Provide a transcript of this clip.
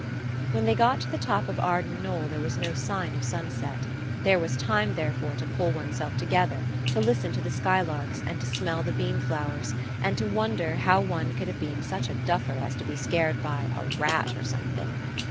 When they got to the top of Arden Knoll there was no sign of sunset. There was time, therefore, to pull oneself together, to listen to the skylarks, and to smell the bean flowers, and to wonder how one could have been such a duffer as to be scared by a "rat or something."